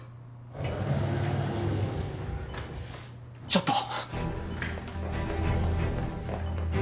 ちょっと！